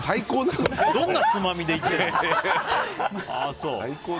どんなつまみでいってるの。